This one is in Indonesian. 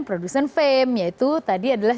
produsen fame yaitu tadi adalah